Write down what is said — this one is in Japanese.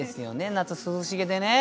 夏涼しげでね。